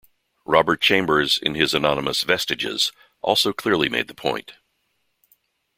Robert Chambers in his anonymous "Vestiges" also clearly made the point.